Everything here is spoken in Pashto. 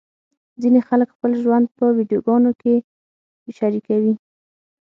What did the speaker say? ځینې خلک خپل ژوند په ویډیوګانو کې شریکوي.